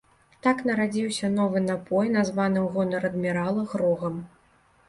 Так нарадзіўся новы напой, названы ў гонар адмірала грогам.